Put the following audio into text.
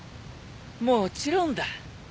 もちろんだ。